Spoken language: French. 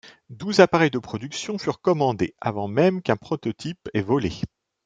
Douze appareils de production furent commandés avant même qu'un prototype ait volé.